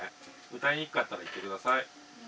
歌いにくかったら言ってください。